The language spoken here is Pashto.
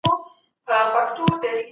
ايا تعليم اړين دی؟